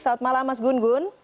selamat malam mas gun gun